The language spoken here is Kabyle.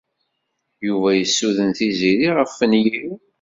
Yuba yessuden Tiziri ɣef wenyir.